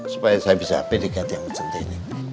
supaya saya bisa pede kati yang mencintai ini